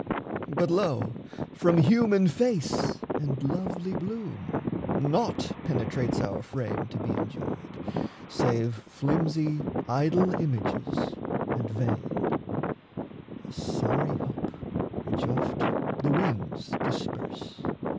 But, lo, from human face and lovely bloom Naught penetrates our frame to be enjoyed Save flimsy idol images and vain A sorry hope which oft the winds disperse.